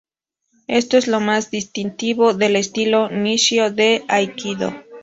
Esto es lo más distintivo del estilo Nishio de aikido.